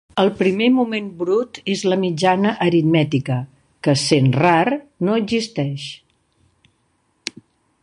El primer moment brut és la mitjana aritmètica, que, sent rar, no existeix.